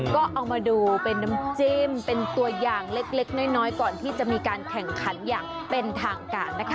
ก็เอามาดูเป็นน้ำจิ้มเป็นตัวอย่างเล็กน้อยก่อนที่จะมีการแข่งขันอย่างเป็นทางการนะคะ